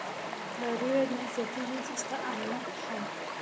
لارويه نه زياتېږي ستا امت هم